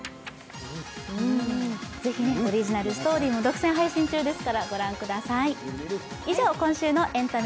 ぜひオリジナルストーリーも独占配信中ですので御覧ください。